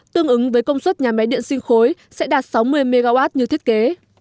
tương ứng với công suất nhà máy điện sinh khối sẽ đạt sáu mươi mw như thiết kế